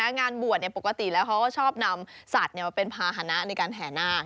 งานบ่วนปกติเขาก็ชอบนำสัตว์มาเป็นภาพันธนาค้าในการแห่นาค